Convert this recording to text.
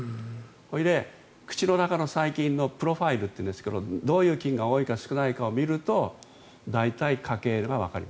それで、口の中の細菌のプロファイルというんですがどういう菌の大きいか少ないかを見ると大体、家系がわかる。